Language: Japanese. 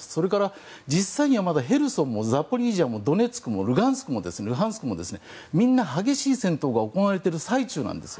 それから、実際にはまだへルソンもザポリージャもドネツクもルガンスクもみんな激しい戦闘が行われている最中なんです。